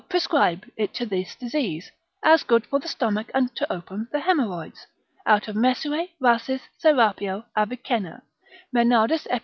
prescribe it to this disease; as good for the stomach and to open the haemorrhoids, out of Mesue, Rhasis, Serapio, Avicenna: Menardus ep.